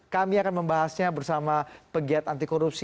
kami akan membahasnya bersama pegiat anti korupsi